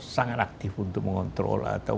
sangat aktif untuk mengontrol atau